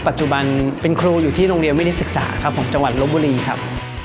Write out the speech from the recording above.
ปัจจุบันเป็นครูอยู่ที่โรงเรียนวินิตศึกษาครับของจังหวัดลบบุรีครับ